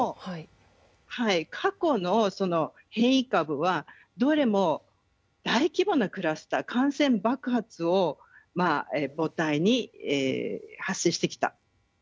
過去の変異株はどれも、大規模なクラスター感染爆発を母体に発生してきた。